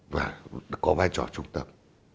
và có vai trò trung tâm